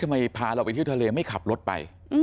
ทำไมพาเราไปที่ทะเลไม่ขับรถไป